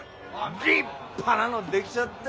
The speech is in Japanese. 立派なの出来ちゃって。